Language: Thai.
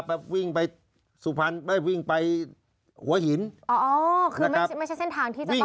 ไปวิ่งไปสุพรรณไม่วิ่งไปหัวหินอ๋อคือไม่ใช่ไม่ใช่เส้นทางที่จะต้อง